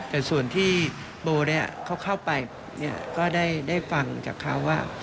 แต่ส่วนที่โบเขาเข้าไปก็ได้ฟังจากเขาว่า